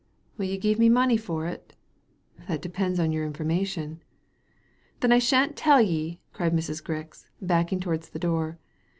Will ye give me money for it ?"♦* That depends upon your information." *' Then I shan't tell ye," cried Mrs. Grix, backing towards the door.